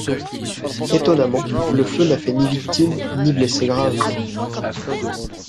Étonnamment, le feu n'a fait ni victime, ni blessé grave.